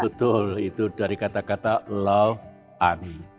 betul itu dari kata kata love ani